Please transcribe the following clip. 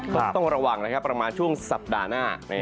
ต้องระวังนะครับประมาณช่วงสัปดาห์หน้า